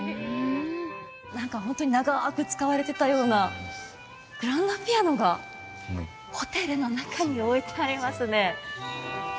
何かホントに長く使われてたようなグランドピアノがホテルの中に置いてありますね